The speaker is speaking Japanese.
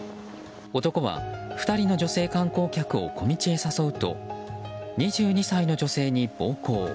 男は、２人の女性観光客を小道へ誘うと２２歳の女性に暴行。